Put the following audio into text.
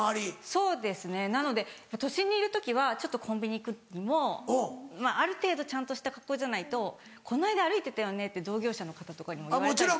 そうですねなので都心にいる時はちょっとコンビニ行くにもまぁある程度ちゃんとした格好じゃないと「この間歩いてたよね」って同業者の方とかにも言われたり。